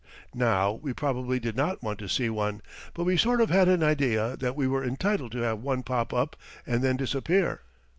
Now, we probably did not want to see one, but we sort of had an idea that we were entitled to have one pop up and then disappear.